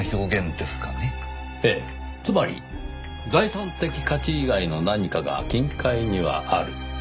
つまり財産的価値以外の何かが金塊にはある。